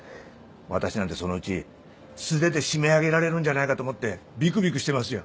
私なんてそのうち素手で締め上げられるんじゃないかと思ってびくびくしてますよ